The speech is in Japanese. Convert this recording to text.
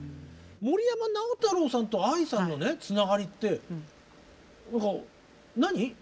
森山直太朗さんとＡＩさんのつながりって何？